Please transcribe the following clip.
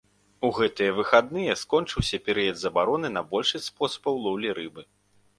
У гэтыя выходныя скончыўся перыяд забароны на большасць спосабаў лоўлі рыбы.